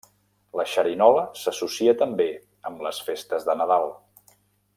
La xerinola s'associa també amb les festes de Nadal.